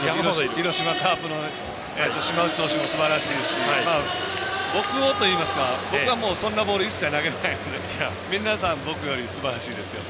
広島カープの島内投手もすばらしいし僕もというか僕はそんなボール一切投げないので皆さん、僕よりすばらしいですよ。